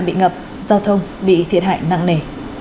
bị ngập giao thông bị thiệt hại nặng nề